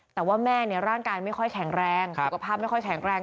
แต่ว่าแม่ร่างกายไม่ค่อยแข็งแรงสุขภาพไม่ค่อยแข็งแรง